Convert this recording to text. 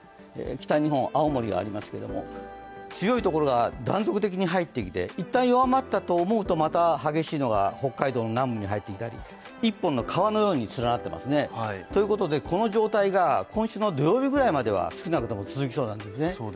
北日本、青森がありますけども、強いところが断続的に入ってきていったん弱まったと思うとまた激しいのが北海道の南部に入ってきたり一本の川のように連なっていますね。ということでこの状態が今週の土曜日ぐらいまでは少なくとも続きそうなんですね。